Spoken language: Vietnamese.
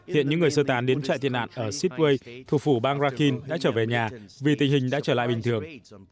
hiện những người sơ tán đến trại thiên nạn ở sitwe thuộc phủ bang rakhine đã trở về nhà vì tình hình đã trở lại bình thường